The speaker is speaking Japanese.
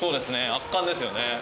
圧巻ですよね。